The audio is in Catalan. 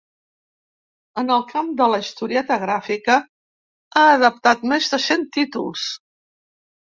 En el camp de la historieta gràfica ha adaptat més de cent títols.